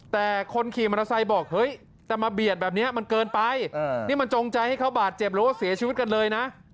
แต่คนขี่มอเตอร์ไซค์บอกเฮ้ยแต่มาเบียดแบบนี้มันเกินไปนี่มันจงใจให้เขาบาดเจ็บหรือว่าเสียชีวิตกันเลยนะ